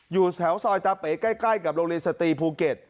อยู่แถวซอยตาเป๋ใกล้กับโรงเรียนสตรีภูเก็ต